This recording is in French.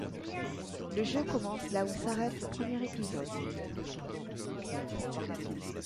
Le jeu commence là où s'arrête le premier épisode.